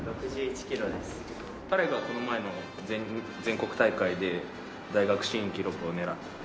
彼がこの前の全国大会で大学新記録を狙って。